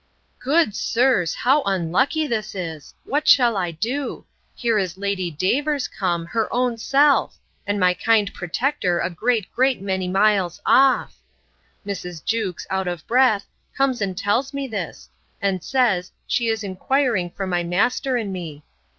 Good sirs! how unlucky this is! What shall I do!—Here is Lady Davers come, her own self! and my kind protector a great, great many miles off!—Mrs. Jewkes, out of breath, comes and tells me this, and says, she is inquiring for my master and me.